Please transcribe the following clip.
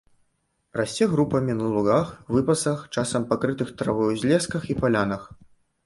Расце групамі на лугах, выпасах, часам пакрытых травой узлесках і палянах.